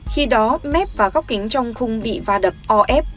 khi đó mép và góc kính trong khung bị va đập o ép